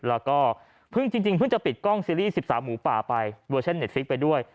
แล้วก็เพิ่งจริงเพิ่งจะปิดกล้องซีรีส์๑๓หมูป่าไปเวอร์ชั่นเต็ดฟิกไปด้วย